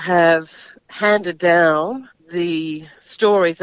kisah tentang apa yang terjadi pada mereka